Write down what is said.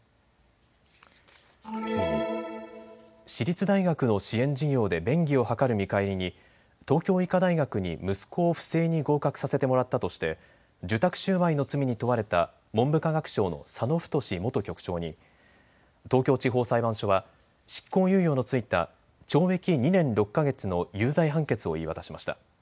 次に私立大学の支援事業で便宜を図る見返りに東京医科大学に息子を不正に合格させてもらったとして受託収賄の罪に問われた文部科学省の佐野太元局長に東京地方裁判所は執行猶予の付いた懲役２年６か月の有罪判決を言い渡しました。